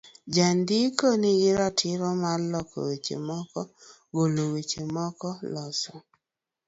Jandiko nigi ratiro mar loko weche moko, golo weche moko, loso